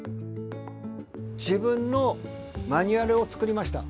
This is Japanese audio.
自分のマニュアルを作りました。